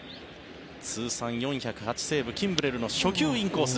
通算４０８セーブキンブレルの初球、インコース。